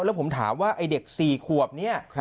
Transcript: แล้วผมถามว่าไอ้เด็ก๔ขวบเนี่ย